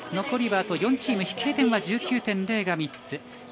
残りは４チーム、飛型点は１９．０が３つ。